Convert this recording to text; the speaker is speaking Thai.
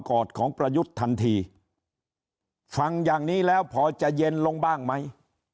อดของประยุทธ์ทันทีฟังอย่างนี้แล้วพอจะเย็นลงบ้างไหม